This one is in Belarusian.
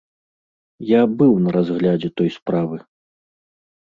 Я быў на разглядзе той справы.